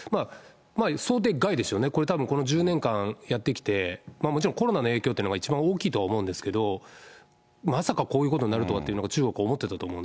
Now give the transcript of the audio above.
想定外でしょうね、これ、たぶん、この１０年間やってきて、もちろんコロナの影響っていうのが一番大きいとは思うんですけれども、まさかこういうことになるとはというのが、中国、思ってたと思うんで。